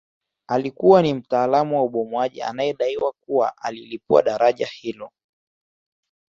Alikuwa ni mtaalamu wa ubomoaji anayedaiwa kuwa alilipua daraja hilo